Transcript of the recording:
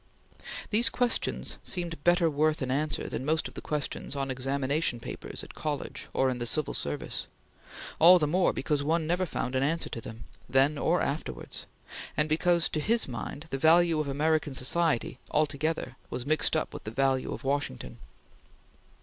These questions seemed better worth an answer than most of the questions on examination papers at college or in the civil service; all the more because one never found an answer to them, then or afterwards, and because, to his mind, the value of American society altogether was mixed up with the value of Washington.